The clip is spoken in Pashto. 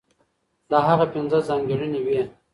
دا هغه پنځه ځانګړنې وې،